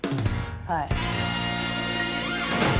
はい。